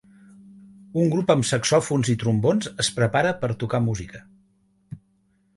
Un grup amb saxòfons i trombons es prepara per tocar música